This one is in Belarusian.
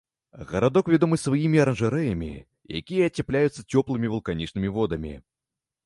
Гарадок вядомы сваімі аранжарэямі, якія ацяпляюцца цёплымі вулканічнымі водамі.